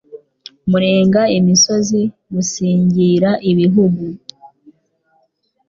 burenga imisozi busingira ibihugu,